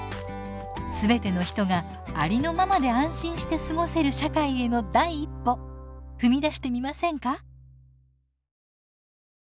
全ての人がありのままで安心して過ごせる社会への第一歩踏み出してみませんか？